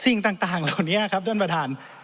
สิ่งต่างเหล่านี้ครับท่านประธาน